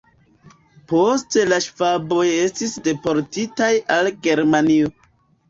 Poste la ŝvaboj estis deportitaj al Germanio.